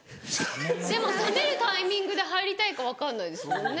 でも冷めるタイミングで入りたいか分かんないですもんね